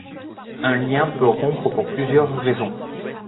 Un lien peut rompre pour plusieurs raisons.